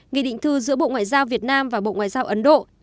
nghị định thư giữa bộ ngoại giao việt nam và bộ ngoại giao ấn độ